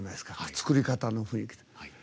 作り方の雰囲気。